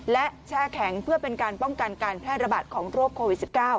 และแช่แข็งเพื่อเป็นการป้องกันการแพร่ระบาดของโรคโควิด๑๙